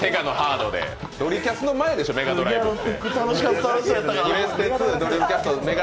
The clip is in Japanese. ドリキャスの前でしょ、メガドライブって。